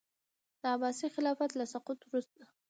د عباسي خلافت له سقوط وروسته.